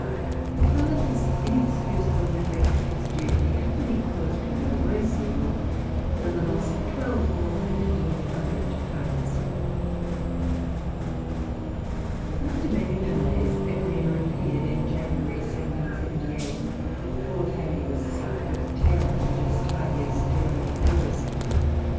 Her father's[Pg 349] inexcusable neglect of his duty happily caused her no worse evil than the loss of twelve or fifteen hundred pounds. After many delays Evelina appeared in January, 1778. Poor Fanny was sick with terror, and durst hardly stir out of doors.